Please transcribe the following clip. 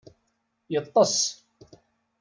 Yettess.